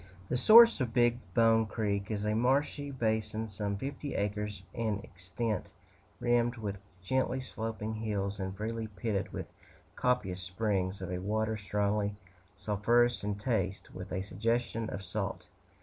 The source of Big Bone Creek is a marshy basin some fifty acres in extent, rimmed with gently sloping hills, and freely pitted with copious springs of a water strongly sulphurous in taste, with a suggestion of salt.